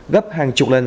gấp hàng chục lần